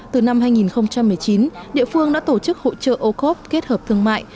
từ năm hai nghìn một mươi chín địa phương đã tổ chức hỗ trợ ocob kết hợp thương mại